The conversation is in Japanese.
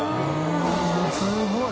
すごい。